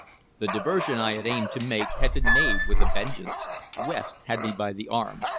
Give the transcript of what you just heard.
The diversion I had aimed to make had been made with a vengeance. West had me by the arm.